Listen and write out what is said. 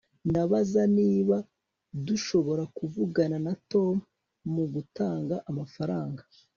ndabaza niba dushobora kuvugana na tom mugutanga amafaranga